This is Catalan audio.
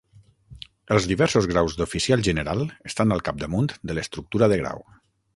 Els diversos graus d'oficial general estan al capdamunt de l'estructura de grau.